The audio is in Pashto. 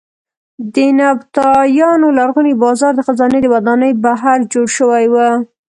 د نبطیانو لرغونی بازار د خزانې د ودانۍ بهر جوړ شوی و.